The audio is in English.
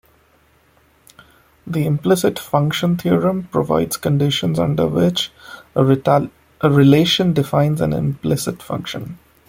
The implicit function theorem provides conditions under which a relation defines an implicit function.